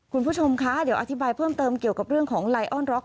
คุณผู้ชมคะเดี๋ยวอธิบายเพิ่มเติมเกี่ยวกับเรื่องของไลออนร็อก